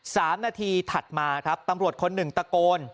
สามนาทีถัดมาครับตำรวจคนหนึ่งตะโกน